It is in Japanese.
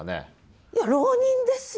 いや浪人ですよ